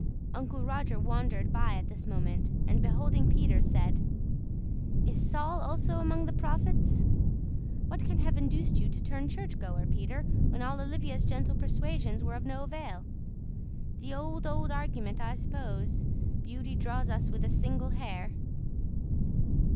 Uncle Roger wandered by at this moment and, beholding Peter, said, "'Is Saul also among the prophets?' What can have induced you to turn church goer, Peter, when all Olivia's gentle persuasions were of no avail? The old, old argument I suppose 'beauty draws us with a single hair.